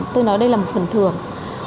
tôi nói đây là một phần thưởng